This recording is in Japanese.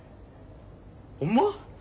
ホンマ？